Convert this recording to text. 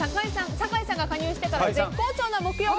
酒井さんが加入してから絶好調な木曜日。